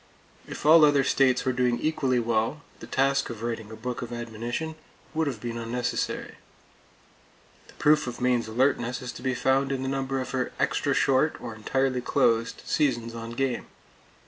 If all other states were doing equally well, the task of writing a book of admonition would have been unnecessary. The proof of Maine's alertness is to be found in the number of her extra short, or entirely closed, seasons on game.